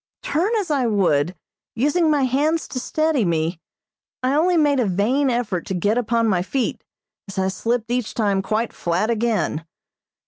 Turn as I would, using my hands to steady me, I only made a vain effort to get upon my feet, as I slipped each time quite flat again.